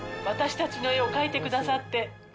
私たちの絵を描いてくださって。